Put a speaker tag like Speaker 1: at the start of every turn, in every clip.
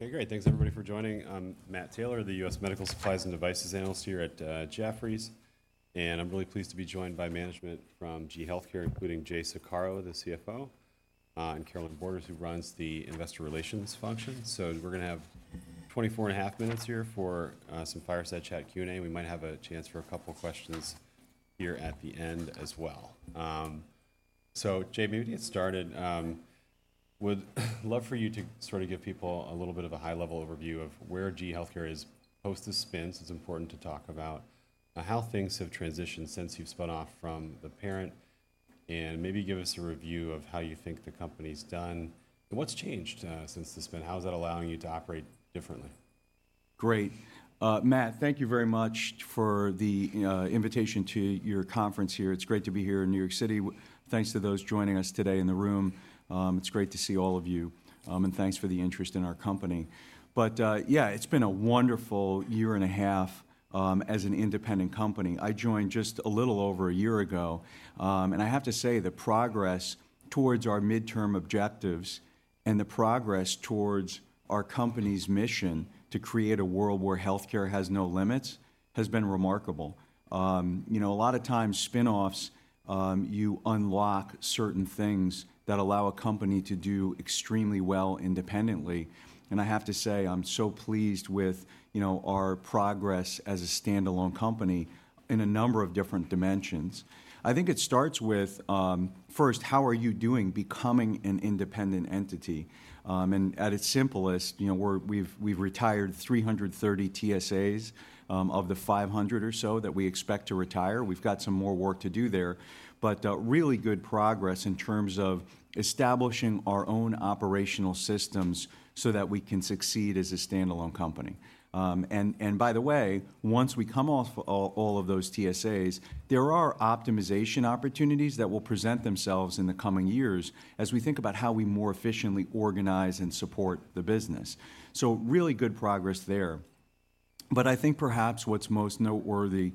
Speaker 1: Okay, great. Thanks, everybody, for joining. I'm Matt Taylor, the U.S. Medical Supplies and Devices analyst here at Jefferies, and I'm really pleased to be joined by management from GE HealthCare, including Jay Saccaro, the CFO, and Carolynne Borders, who runs the investor relations function. So we're gonna have 24.5 minutes here for some fireside chat Q&A. We might have a chance for a couple questions here at the end as well. So Jay, maybe we can get started. Would love for you to sort of give people a little bit of a high-level overview of where GE HealthCare is post the spins. It's important to talk about how things have transitioned since you've spun off from the parent, and maybe give us a review of how you think the company's done, and what's changed since the spin? How is that allowing you to operate differently?
Speaker 2: Great. Matt, thank you very much for the invitation to your conference here. It's great to be here in New York City. Thanks to those joining us today in the room. It's great to see all of you, and thanks for the interest in our company. But yeah, it's been a wonderful year and a half as an independent company. I joined just a little over a year ago, and I have to say, the progress towards our midterm objectives and the progress towards our company's mission to create a world where healthcare has no limits has been remarkable. You know, a lot of times, spin-offs, you unlock certain things that allow a company to do extremely well independently, and I have to say, I'm so pleased with, you know, our progress as a standalone company in a number of different dimensions. I think it starts with, first, how are you doing becoming an independent entity? And at its simplest, you know, we've retired 330 TSAs of the 500 or so that we expect to retire. We've got some more work to do there. But, really good progress in terms of establishing our own operational systems so that we can succeed as a standalone company. And by the way, once we come off all of those TSAs, there are optimization opportunities that will present themselves in the coming years as we think about how we more efficiently organize and support the business. So really good progress there. But I think perhaps what's most noteworthy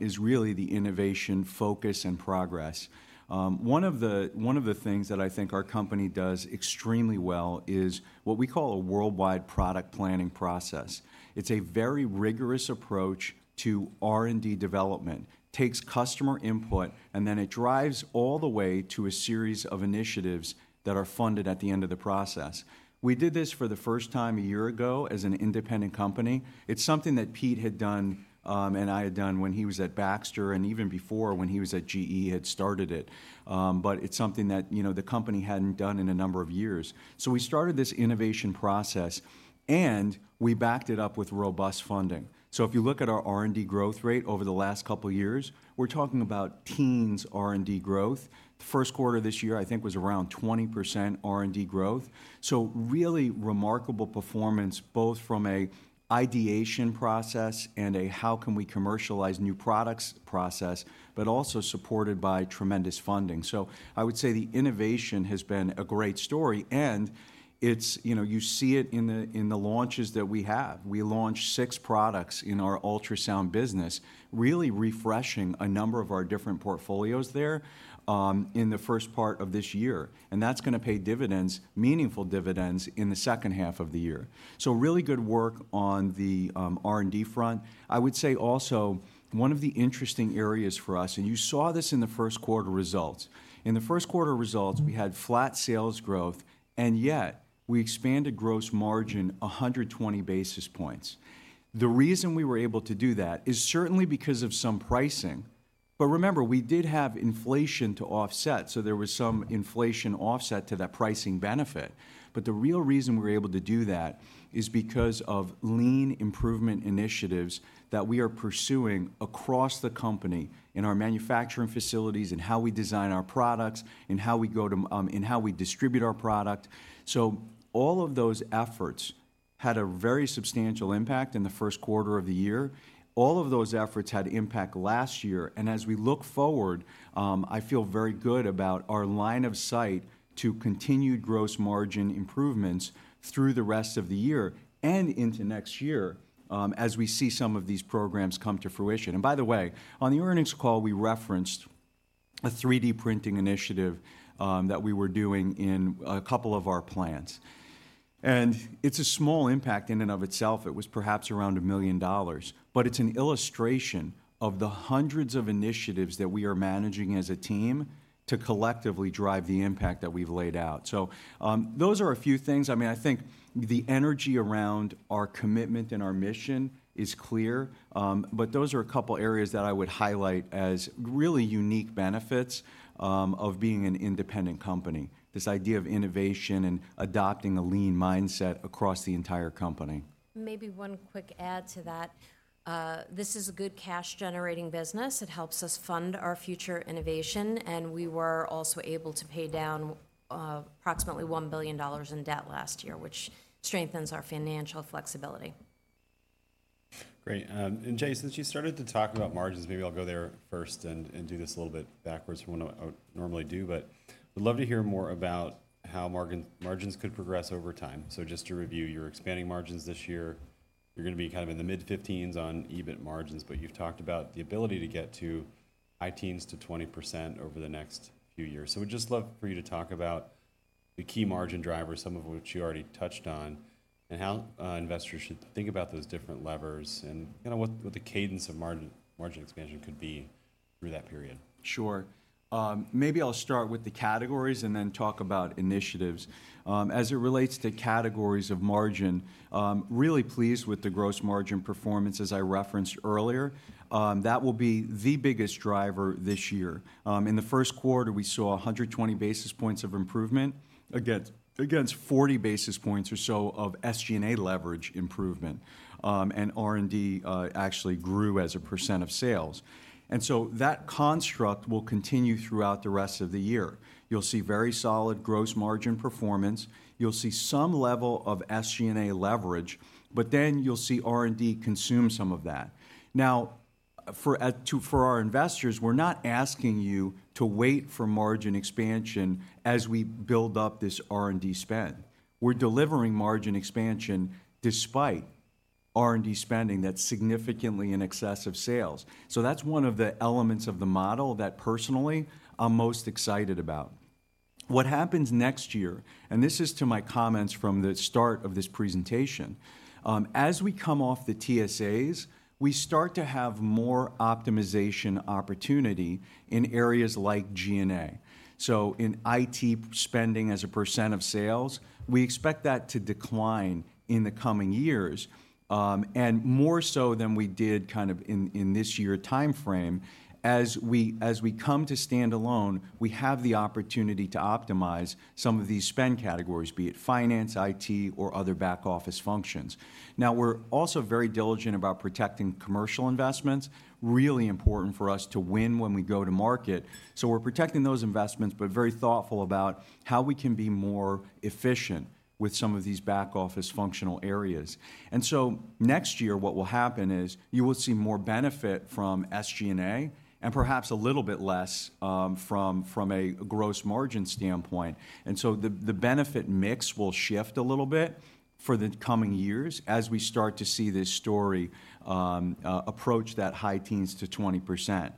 Speaker 2: is really the innovation, focus, and progress. One of the things that I think our company does extremely well is what we call the Worldwide Product Planning Process. It's a very rigorous approach to R&D development. Takes customer input, and then it drives all the way to a series of initiatives that are funded at the end of the process. We did this for the first time a year ago as an independent company. It's something that Pete had done, and I had done when he was at Baxter, and even before when he was at GE, had started it. But it's something that, you know, the company hadn't done in a number of years. So we started this innovation process, and we backed it up with robust funding. So if you look at our R&D growth rate over the last couple of years, we're talking about teens R&D growth. The first quarter this year, I think, was around 20% R&D growth. So really remarkable performance, both from a ideation process and a how can we commercialize new products process, but also supported by tremendous funding. So I would say the innovation has been a great story, and it's, you know, you see it in the, in the launches that we have. We launched 6 products in our ultrasound business, really refreshing a number of our different portfolios there, in the first part of this year, and that's gonna pay dividends, meaningful dividends, in the second half of the year. So really good work on the R&D front. I would say also, one of the interesting areas for us, and you saw this in the first quarter results, in the first quarter results, we had flat sales growth, and yet we expanded gross margin 120 basis points. The reason we were able to do that is certainly because of some pricing, but remember, we did have inflation to offset, so there was some inflation offset to that pricing benefit. The real reason we're able to do that is because of lean improvement initiatives that we are pursuing across the company, in our manufacturing facilities, in how we design our products, in how we distribute our product. All of those efforts had a very substantial impact in the first quarter of the year. All of those efforts had impact last year, and as we look forward, I feel very good about our line of sight to continued gross margin improvements through the rest of the year and into next year, as we see some of these programs come to fruition. By the way, on the earnings call, we referenced a 3D printing initiative that we were doing in a couple of our plants, and it's a small impact in and of itself. It was perhaps around $1 million, but it's an illustration of the hundreds of initiatives that we are managing as a team to collectively drive the impact that we've laid out. So, those are a few things. I mean, I think the energy around our commitment and our mission is clear, but those are a couple areas that I would highlight as really unique benefits, of being an independent company, this idea of innovation and adopting a lean mindset across the entire company.
Speaker 3: Maybe one quick add to that. This is a good cash-generating business. It helps us fund our future innovation, and we were also able to pay down approximately $1 billion in debt last year, which strengthens our financial flexibility.
Speaker 1: Great, and Jay, since you started to talk about margins, maybe I'll go there first and do this a little bit backwards from what I would normally do, but I'd love to hear more about how margins could progress over time. So just to review, you're expanding margins this year. You're gonna be kind of in the mid-15s on EBIT margins, but you've talked about the ability to get to high teens to 20% over the next few years. So we'd just love for you to talk about the key margin drivers, some of which you already touched on, and how investors should think about those different levers, and kind of what the cadence of margin expansion could be through that period.
Speaker 2: Sure. Maybe I'll start with the categories and then talk about initiatives. As it relates to categories of margin, really pleased with the gross margin performance, as I referenced earlier. That will be the biggest driver this year. In the first quarter, we saw 100 basis points of improvement against 40 basis points or so of SG&A leverage improvement. And R&D actually grew as a percent of sales, and so that construct will continue throughout the rest of the year. You'll see very solid gross margin performance. You'll see some level of SG&A leverage, but then you'll see R&D consume some of that. Now, for our investors, we're not asking you to wait for margin expansion as we build up this R&D spend. We're delivering margin expansion despite R&D spending that's significantly in excess of sales. So that's one of the elements of the model that personally, I'm most excited about. What happens next year, and this is to my comments from the start of this presentation, as we come off the TSAs, we start to have more optimization opportunity in areas like G&A. So in IT spending as a percent of sales, we expect that to decline in the coming years, and more so than we did kind of in this year timeframe. As we come to stand alone, we have the opportunity to optimize some of these spend categories, be it finance, IT, or other back office functions. Now, we're also very diligent about protecting commercial investments. Really important for us to win when we go to market. So we're protecting those investments, but very thoughtful about how we can be more efficient with some of these back office functional areas. So next year, what will happen is you will see more benefit from SG&A and perhaps a little bit less from a gross margin standpoint. So the benefit mix will shift a little bit for the coming years as we start to see this story approach that high teens to 20%.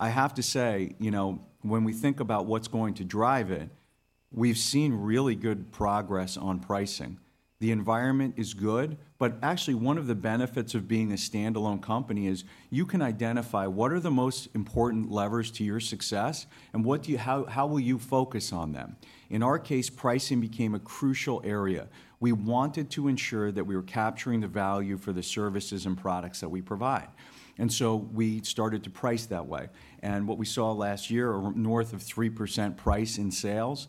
Speaker 2: I have to say, you know, when we think about what's going to drive it, we've seen really good progress on pricing. The environment is good, but actually, one of the benefits of being a standalone company is you can identify what are the most important levers to your success and how will you focus on them? In our case, pricing became a crucial area. We wanted to ensure that we were capturing the value for the services and products that we provide, and so we started to price that way. And what we saw last year, north of 3% price in sales,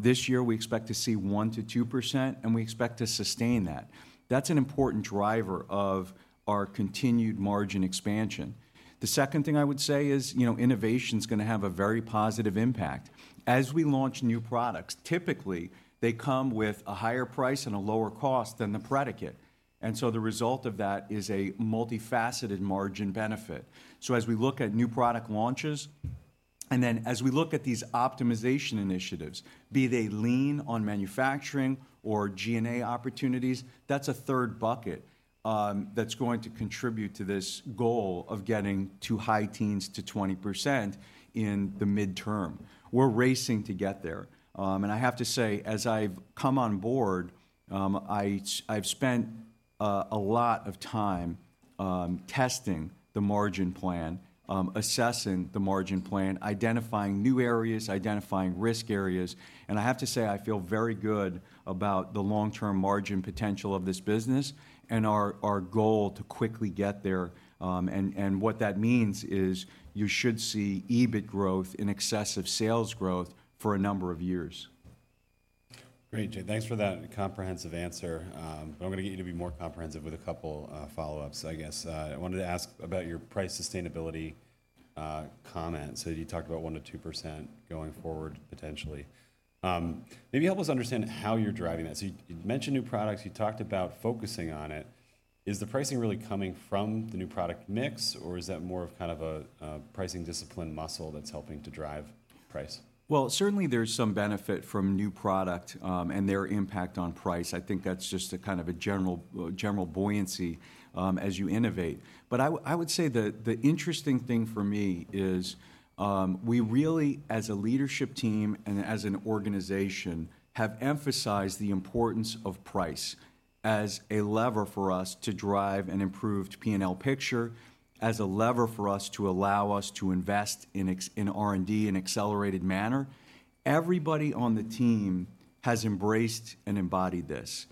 Speaker 2: this year, we expect to see 1%-2%, and we expect to sustain that. That's an important driver of our continued margin expansion. The second thing I would say is, you know, innovation's gonna have a very positive impact. As we launch new products, typically, they come with a higher price and a lower cost than the predicate, and so the result of that is a multifaceted margin benefit. So as we look at new product launches, and then as we look at these optimization initiatives, be they Lean on manufacturing or G&A opportunities, that's a third bucket, that's going to contribute to this goal of getting to high teens to 20% in the midterm. We're racing to get there. And I have to say, as I've come on board, I've spent a lot of time testing the margin plan, assessing the margin plan, identifying new areas, identifying risk areas, and I have to say, I feel very good about the long-term margin potential of this business and our, our goal to quickly get there. And what that means is you should see EBIT growth in excess of sales growth for a number of years.
Speaker 1: Great, Jay. Thanks for that comprehensive answer. But I'm gonna get you to be more comprehensive with a couple follow-ups, I guess. I wanted to ask about your price sustainability comment. So you talked about 1%-2% going forward, potentially. Maybe help us understand how you're driving that. So you mentioned new products, you talked about focusing on it. Is the pricing really coming from the new product mix, or is that more of kind of a pricing discipline muscle that's helping to drive price?
Speaker 2: Well, certainly, there's some benefit from new product, and their impact on price. I think that's just a kind of a general, general buoyancy, as you innovate. But I would say the, the interesting thing for me is, we really, as a leadership team and as an organization, have emphasized the importance of price as a lever for us to drive an improved P&L picture, as a lever for us to allow us to invest in R&D in accelerated manner. Everybody on the team has embraced and embodied this,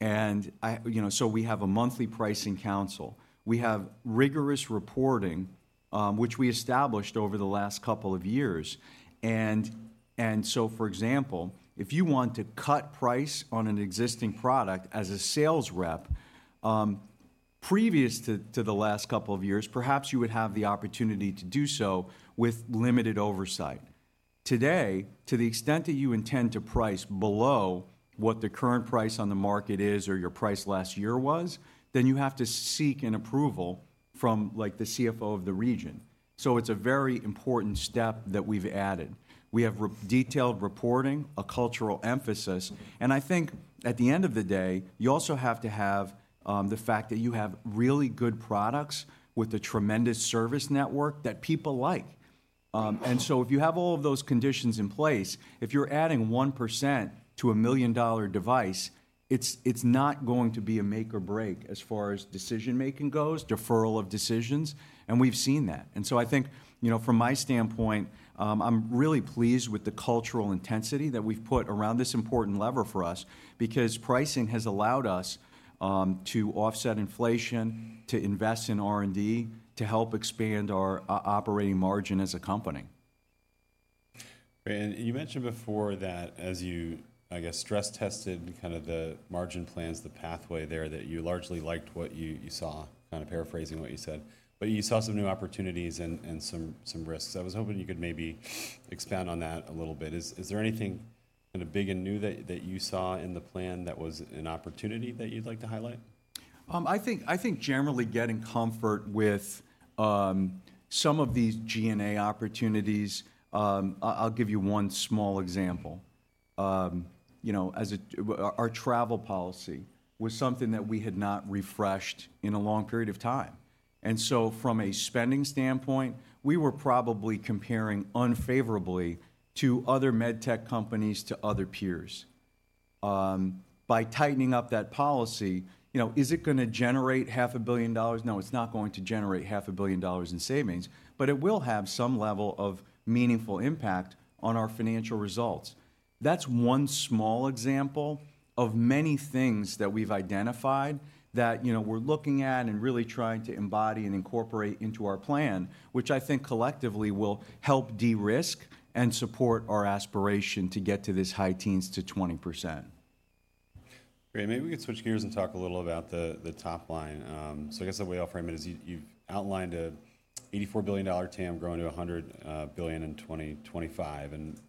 Speaker 2: and you know, so we have a monthly pricing council. We have rigorous reporting, which we established over the last couple of years. For example, if you want to cut price on an existing product as a sales rep, previous to the last couple of years, perhaps you would have the opportunity to do so with limited oversight. Today, to the extent that you intend to price below what the current price on the market is or your price last year was, then you have to seek an approval from, like, the CFO of the region. So it's a very important step that we've added. We have really detailed reporting, a cultural emphasis, and I think at the end of the day, you also have to have the fact that you have really good products with a tremendous service network that people like. And so if you have all of those conditions in place, if you're adding 1% to a million-dollar device, it's not going to be a make or break as far as decision-making goes, deferral of decisions, and we've seen that. And so I think, you know, from my standpoint, I'm really pleased with the cultural intensity that we've put around this important lever for us, because pricing has allowed us to offset inflation, to invest in R&D, to help expand our operating margin as a company.
Speaker 1: And you mentioned before that as you, I guess, stress-tested kind of the margin plans, the pathway there, that you largely liked what you saw, kind of paraphrasing what you said, but you saw some new opportunities and some risks. I was hoping you could maybe expand on that a little bit. Is there anything kind of big and new that you saw in the plan that was an opportunity that you'd like to highlight?
Speaker 2: I think generally getting comfort with some of these G&A opportunities, I'll give you one small example. You know, as our travel policy was something that we had not refreshed in a long period of time, and so from a spending standpoint, we were probably comparing unfavorably to other med tech companies, to other peers. By tightening up that policy, you know, is it gonna generate $500 million? No, it's not going to generate $500 million in savings, but it will have some level of meaningful impact on our financial results. That's one small example of many things that we've identified that, you know, we're looking at and really trying to embody and incorporate into our plan, which I think collectively will help de-risk and support our aspiration to get to this high teens to 20%.
Speaker 1: Great. Maybe we could switch gears and talk a little about the, the top line. So I guess the way I'll frame it is you, you've outlined a $84 billion TAM growing to a $100 billion in 2025, and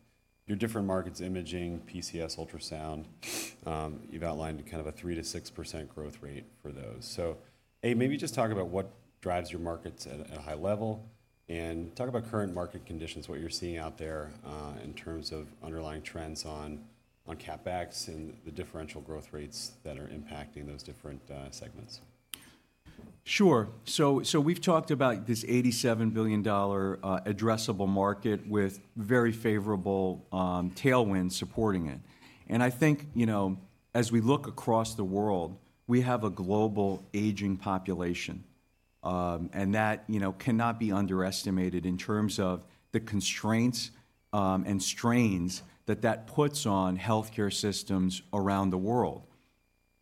Speaker 1: your different markets, imaging, PCS, ultrasound, you've outlined kind of a 3%-6% growth rate for those. So, maybe just talk about what drives your markets at a high level, and talk about current market conditions, what you're seeing out there, in terms of underlying trends on, on CapEx and the differential growth rates that are impacting those different, segments.
Speaker 2: Sure. So we've talked about this $87 billion addressable market with very favorable tailwinds supporting it. And I think, you know, as we look across the world, we have a global aging population, and that, you know, cannot be underestimated in terms of the constraints and strains that that puts on healthcare systems around the world.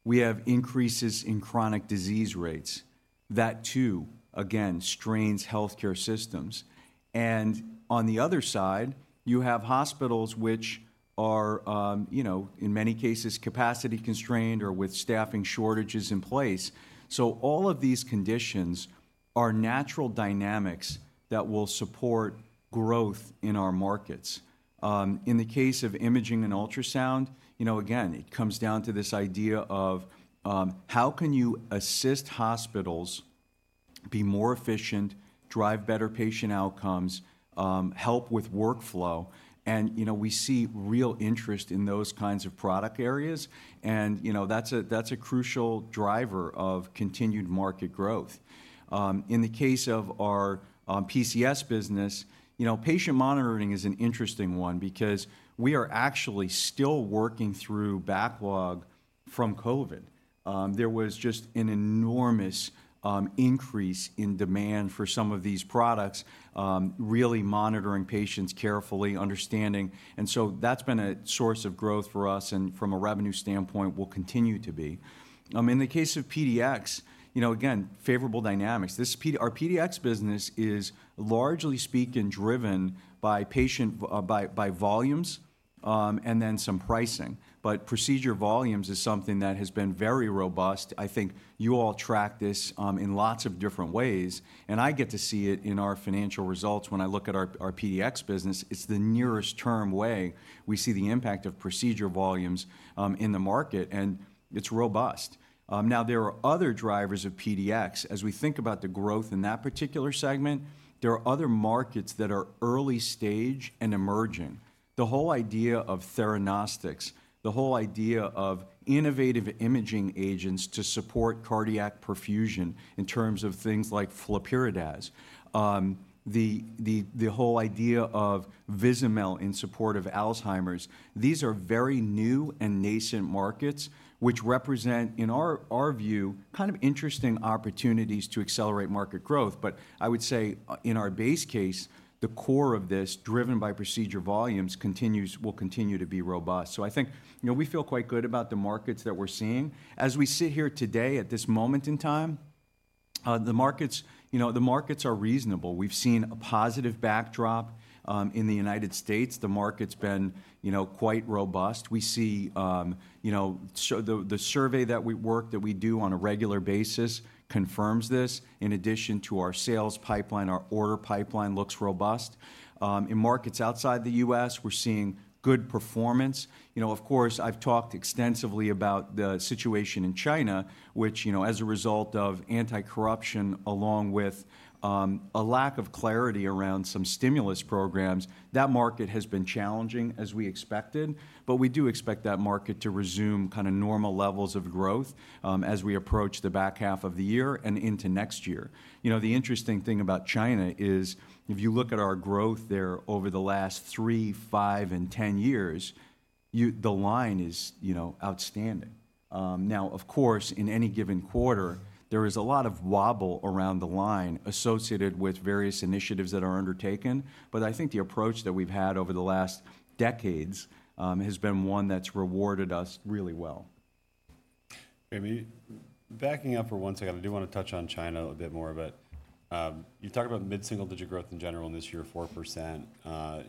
Speaker 2: We have increases in chronic disease rates. That too, again, strains healthcare systems. And on the other side, you have hospitals which are, you know, in many cases, capacity constrained or with staffing shortages in place. So all of these conditions are natural dynamics that will support growth in our markets. In the case of imaging and ultrasound, you know, again, it comes down to this idea of how can you assist hospitals be more efficient, drive better patient outcomes, help with workflow? You know, we see real interest in those kinds of product areas, and, you know, that's a crucial driver of continued market growth. In the case of our PCS business, you know, patient monitoring is an interesting one because we are actually still working through backlog from COVID. There was just an enormous increase in demand for some of these products, really monitoring patients carefully, understanding, and so that's been a source of growth for us, and from a revenue standpoint, will continue to be. In the case of PDx, you know, again, favorable dynamics. Our PDx business is largely speaking, driven by volumes, and then some pricing, but procedure volumes is something that has been very robust. I think you all track this, in lots of different ways, and I get to see it in our financial results when I look at our, our PDx business. It's the nearest term way we see the impact of procedure volumes, in the market, and it's robust. Now, there are other drivers of PDx. As we think about the growth in that particular segment, there are other markets that are early stage and emerging. The whole idea of theranostics, the whole idea of innovative imaging agents to support cardiac perfusion in terms of things like Flurpiridaz, the whole idea of Vizamyl in support of Alzheimer’s, these are very new and nascent markets, which represent, in our view, kind of interesting opportunities to accelerate market growth. But I would say, in our base case, the core of this, driven by procedure volumes, will continue to be robust. So I think, you know, we feel quite good about the markets that we're seeing. As we sit here today, at this moment in time. The markets, you know, the markets are reasonable. We've seen a positive backdrop in the United States. The market's been, you know, quite robust. We see, you know, so the survey that we do on a regular basis confirms this. In addition to our sales pipeline, our order pipeline looks robust. In markets outside the U.S., we're seeing good performance. You know, of course, I've talked extensively about the situation in China, which, you know, as a result of anti-corruption, along with a lack of clarity around some stimulus programs, that market has been challenging as we expected. But we do expect that market to resume kinda normal levels of growth, as we approach the back half of the year and into next year. You know, the interesting thing about China is, if you look at our growth there over the last 3, 5, and 10 years, you the line is, you know, outstanding. Now, of course, in any given quarter, there is a lot of wobble around the line associated with various initiatives that are undertaken. But I think the approach that we've had over the last decades has been one that's rewarded us really well.
Speaker 1: Maybe backing up for one second, I do wanna touch on China a bit more, but, you talked about mid-single-digit growth in general, and this year, 4%.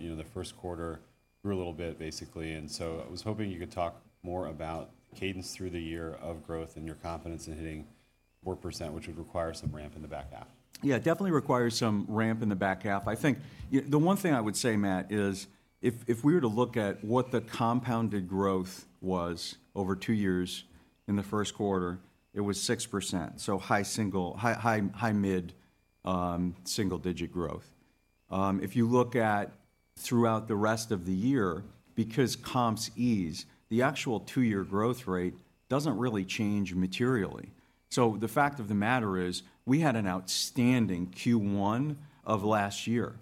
Speaker 1: You know, the first quarter grew a little bit, basically, and so I was hoping you could talk more about cadence through the year of growth and your confidence in hitting 4%, which would require some ramp in the back half.
Speaker 2: Yeah, definitely requires some ramp in the back half. I think the one thing I would say, Matt, is if we were to look at what the compounded growth was over two years, in the first quarter, it was 6%, so high single, high, high, high mid single-digit growth. If you look at throughout the rest of the year, because comps ease, the actual two-year growth rate doesn't really change materially. So the fact of the matter is, we had an outstanding Q1 of last year.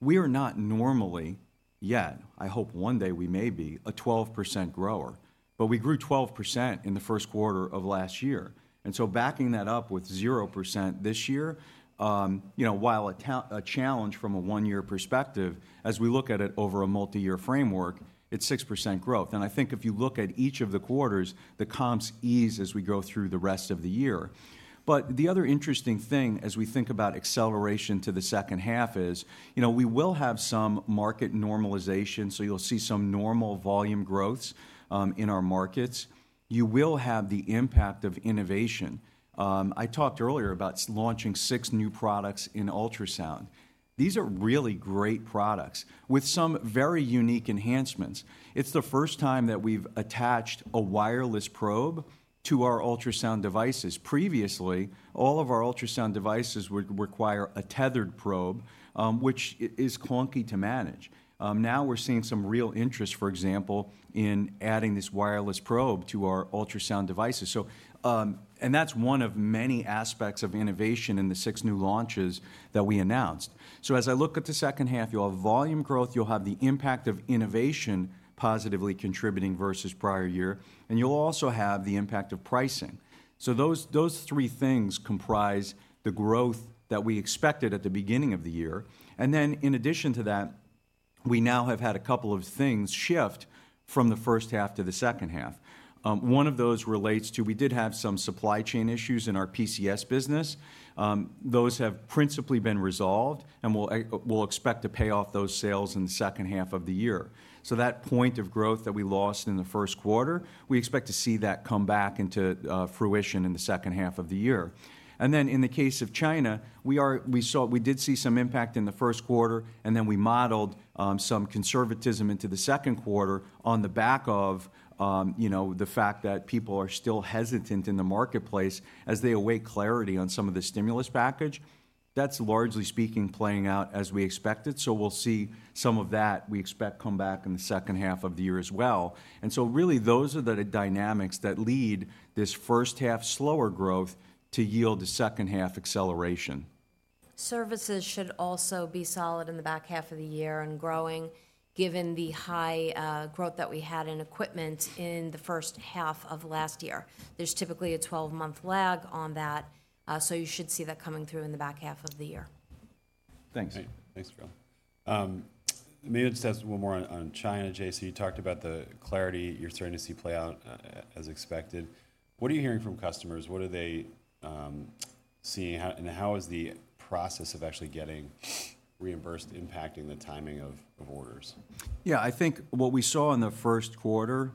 Speaker 2: We are not normally, yet, I hope one day we may be, a 12% grower, but we grew 12% in the first quarter of last year. So backing that up with 0% this year, you know, while a challenge from a one-year perspective, as we look at it over a multi-year framework, it's 6% growth. And I think if you look at each of the quarters, the comps ease as we go through the rest of the year. But the other interesting thing, as we think about acceleration to the second half, is, you know, we will have some market normalization, so you'll see some normal volume growths in our markets. You will have the impact of innovation. I talked earlier about launching 6 new products in ultrasound. These are really great products with some very unique enhancements. It's the first time that we've attached a wireless probe to our ultrasound devices. Previously, all of our ultrasound devices would require a tethered probe, which is clunky to manage. Now we're seeing some real interest, for example, in adding this wireless probe to our ultrasound devices. So, and that's one of many aspects of innovation in the six new launches that we announced. So as I look at the second half, you'll have volume growth, you'll have the impact of innovation positively contributing versus prior year, and you'll also have the impact of pricing. So those, those three things comprise the growth that we expected at the beginning of the year. And then, in addition to that, we now have had a couple of things shift from the first half to the second half. One of those relates to we did have some supply chain issues in our PCS business. Those have principally been resolved, and we'll expect to pay off those sales in the second half of the year. So that point of growth that we lost in the first quarter, we expect to see that come back into fruition in the second half of the year. And then, in the case of China, we saw, we did see some impact in the first quarter, and then we modeled some conservatism into the second quarter on the back of, you know, the fact that people are still hesitant in the marketplace as they await clarity on some of the stimulus package. That's, largely speaking, playing out as we expected, so we'll see some of that, we expect, come back in the second half of the year as well. And so really, those are the dynamics that lead this first half slower growth to yield a second half acceleration.
Speaker 3: Services should also be solid in the back half of the year and growing, given the high growth that we had in equipment in the first half of last year. There's typically a 12-month lag on that, so you should see that coming through in the back half of the year.
Speaker 1: Thanks. Thanks, Carol. Maybe just ask one more on China, Jay. You talked about the clarity you're starting to see play out, as expected. What are you hearing from customers? What are they seeing, how, and how is the process of actually getting reimbursed impacting the timing of orders?
Speaker 2: Yeah, I think what we saw in the first quarter,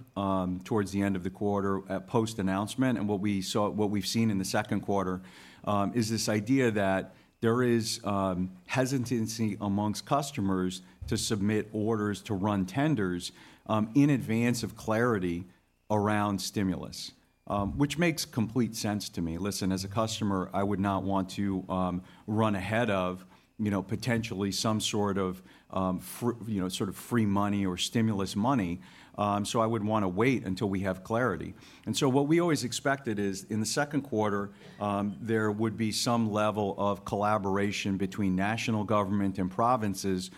Speaker 2: towards the end of the quarter, at post-announcement, and what we've seen in the second quarter, is this idea that there is hesitancy among customers to submit orders to run tenders, in advance of clarity around stimulus, which makes complete sense to me. Listen, as a customer, I would not want to run ahead of, you know, potentially some sort of, you know, sort of free money or stimulus money. So I would want to wait until we have clarity. What we always expected is, in the second quarter, there would be some level of collaboration between national government and provinces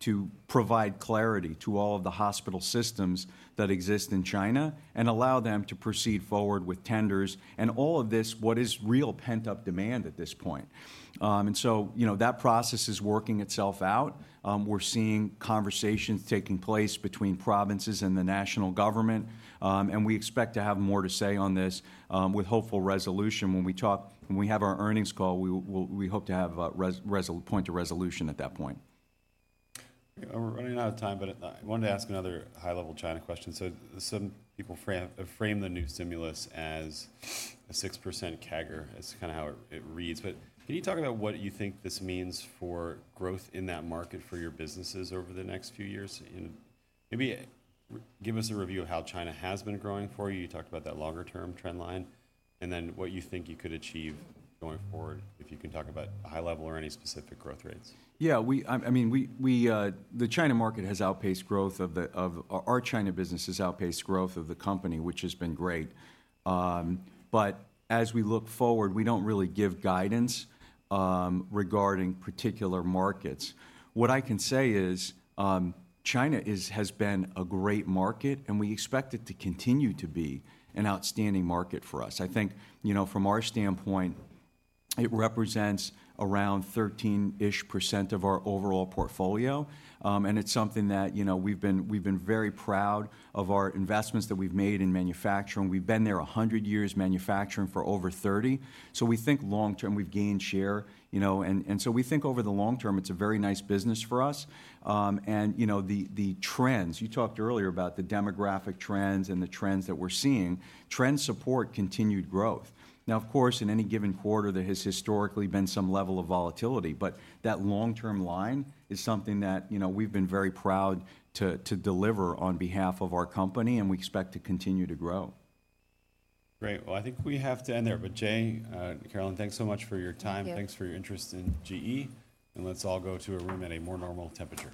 Speaker 2: to provide clarity to all of the hospital systems that exist in China and allow them to proceed forward with tenders, and all of this, what is real pent-up demand at this point. And so, you know, that process is working itself out. We're seeing conversations taking place between provinces and the national government, and we expect to have more to say on this, with hopeful resolution. When we talk, when we have our earnings call, we will, we'll—we hope to have a resolution at that point.
Speaker 1: We're running out of time, but I wanted to ask another high-level China question. So some people frame the new stimulus as a 6% CAGR. That's kind of how it reads. But can you talk about what you think this means for growth in that market for your businesses over the next few years? And maybe give us a review of how China has been growing for you. You talked about that longer term trend line, and then what you think you could achieve going forward, if you can talk about high level or any specific growth rates.
Speaker 2: Yeah, I mean, we, the China business has outpaced growth of the company, which has been great. But as we look forward, we don't really give guidance regarding particular markets. What I can say is, China has been a great market, and we expect it to continue to be an outstanding market for us. I think, you know, from our standpoint, it represents around 13-ish percent of our overall portfolio. And it's something that, you know, we've been very proud of our investments that we've made in manufacturing. We've been there 100 years, manufacturing for over 30. So we think long term, we've gained share, you know, and so we think over the long term, it's a very nice business for us. And, you know, the trends you talked earlier about the demographic trends and the trends that we're seeing. Trends support continued growth. Now, of course, in any given quarter, there has historically been some level of volatility, but that long-term line is something that, you know, we've been very proud to deliver on behalf of our company, and we expect to continue to grow.
Speaker 1: Great! Well, I think we have to end there. But Jay, Carolynne, thanks so much for your time.
Speaker 3: Thank you.
Speaker 1: Thanks for your interest in GE, and let's all go to a room at a more normal temperature.